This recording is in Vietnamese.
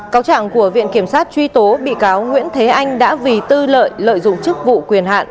cáo trạng của viện kiểm sát truy tố bị cáo nguyễn thế anh đã vì tư lợi lợi dụng chức vụ quyền hạn